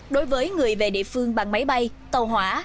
đối với người về địa phương bằng máy bay tàu hỏa